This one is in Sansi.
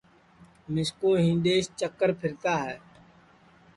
مِسکُو ہِنڈؔیس چکر پھرتا ہے